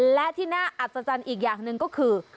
และที่น่าอัศจรรย์อีกอย่างหนึ่งก็คือ